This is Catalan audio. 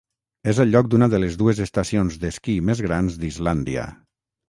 És el lloc d'una de les dues estacions d'esquí més grans d'Islàndia.